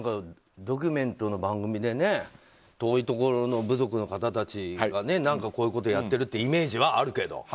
ドキュメントの番組で遠いところの部族の方たちがこういうことをやってるイメージはあるけど。